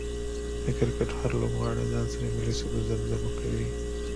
د کرکټ هر لوبغاړی ځان سره ملي سرود زمزمه کوي